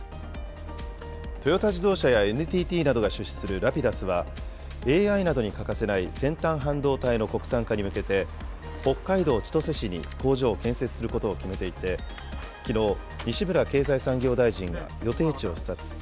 トヨタ自動車やＮＴＴなどが出資するＲａｐｉｄｕｓは、ＡＩなどに欠かせない先端半導体の国産化に向けて、北海道千歳市に工場を建設することを決めていて、きのう、西村経済産業大臣が予定地を視察。